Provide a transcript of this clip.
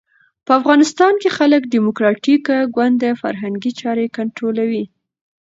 په افغانستان کې خلق ډیموکراټیک ګوند فرهنګي چارې کنټرولولې.